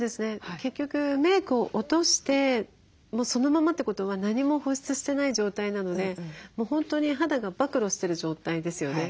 結局メークを落としてそのままってことは何も保湿してない状態なので本当に肌が曝露してる状態ですよね。